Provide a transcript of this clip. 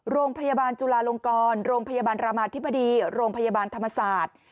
โรงพยาบาลจุลาลงกรโรงพยาบาลรามาธิบดีโรงพยาบาลธรรมศาสตร์